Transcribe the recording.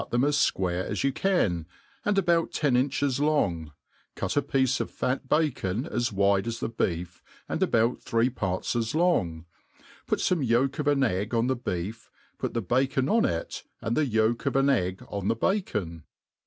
them as fquare as you can, and about teil inches Jong, cut apiece of fat bacon as wide as the beef, and about three parts as long»'put fome yolk of an egg on the beef, put the bacon on it, and the yolk of an egg on the bacon, and